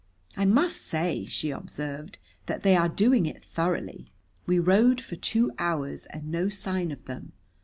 I must say," she observed, "that they are doing it thoroughly." We rode for two hours, and no sign of them.